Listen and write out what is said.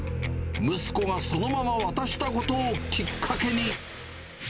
息子がそのまま渡したことをきっかけに。